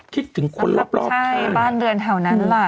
คิดถึงคนรอบรอบใช่บ้านเรือนแถวนั้นล่ะ